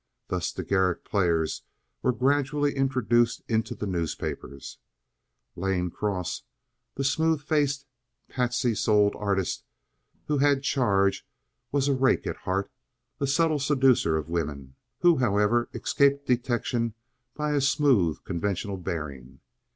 Thus the Garrick Players were gradually introduced into the newspapers. Lane Cross, the smooth faced, pasty souled artist who had charge, was a rake at heart, a subtle seducer of women, who, however, escaped detection by a smooth, conventional bearing.